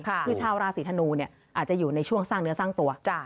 คือชาวราศีธนูเนี่ยอาจจะอยู่ในช่วงสร้างเนื้อสร้างตัว